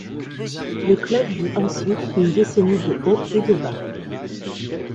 Le club vit ensuite une décennie de hauts et de bas.